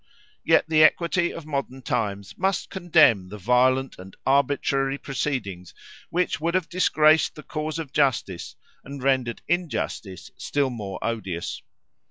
Yet the equity of modern times must condemn the violent and arbitrary proceedings, which would have disgraced the cause of justice, and rendered injustice still more odious.